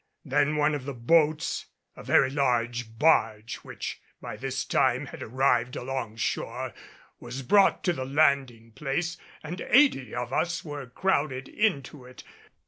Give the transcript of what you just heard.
Then one of the boats, a very large barge which by this time had arrived along shore, was brought to the landing place and eighty of us were crowded into it.